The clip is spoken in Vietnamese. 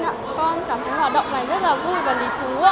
con cảm thấy hoạt động này rất là vui và lý thú